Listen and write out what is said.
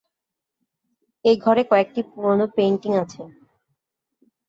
এ-ঘরে কয়েকটি পুরনো পেইনটিং আছে।